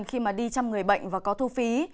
khi đi chăm người bệnh và có thu phí